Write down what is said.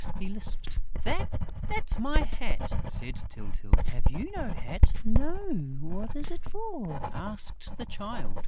he lisped. "That?... That's my hat," said Tyltyl. "Have you no hat?" "No; what is it for?" asked the Child.